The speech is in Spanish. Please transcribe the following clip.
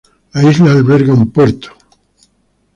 La isla alberga un puerto.